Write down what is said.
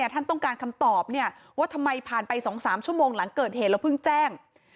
ท่านต้องการคำตอบว่าทำไมผ่านไป๒๓ชั่วโมงหลังเกิดเหตุแล้วเพิ่งแจ้ง